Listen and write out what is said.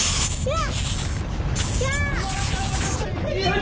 や！